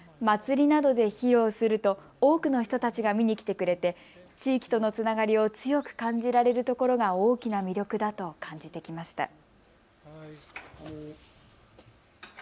祭りなどで披露すると多くの人たちが見に来てくれて地域とのつながりを強く感じられるところが大きな魅力だと感じてきました。